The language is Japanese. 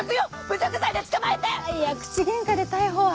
いや口げんかで逮捕は。